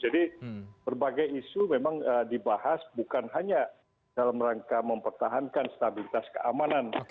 jadi berbagai isu memang dibahas bukan hanya dalam rangka mempertahankan stabilitas keamanan